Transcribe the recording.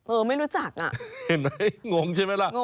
ไม่รู้จักอ่ะเห็นไหมงงใช่ไหมล่ะงง